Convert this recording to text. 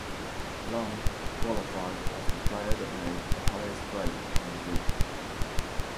Leung qualified as the player that made the highest break in the group.